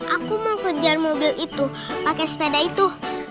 aku mau kejar mobil itu pakai sepeda itu